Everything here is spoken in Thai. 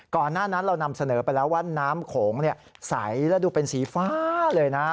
ก่อนหน้านั้นเรานำเสนอไปแล้วว่าน้ำโขงใสและดูเป็นสีฟ้าเลยนะ